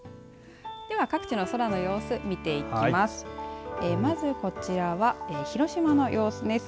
では、各地の空の様子見ていきます。